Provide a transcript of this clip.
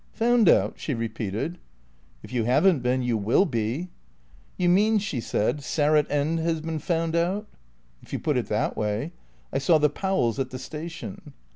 "Found out?" she repeated. "If you haven't been, you will be." "You mean," she said, "Sarratt End has been found out?" "If you put it that way. I saw the Powells at the station."